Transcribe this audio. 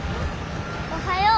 おはよう。